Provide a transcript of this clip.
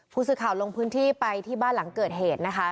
ผู้สื่อข่าวลงพื้นที่ไปที่บ้านหลังเกิดเหตุนะคะ